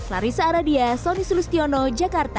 larisa aradia soni sulustiono jakarta